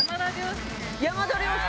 山田涼介？